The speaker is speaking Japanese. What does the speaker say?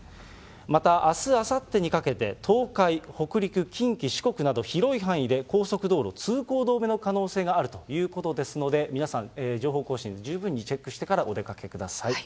また、あす、あさってにかけて、東海、北陸、近畿、四国など、広い範囲で高速道路、通行止めの可能性があるということですので、皆さん、情報更新、十分にチェックしてからお出かけください。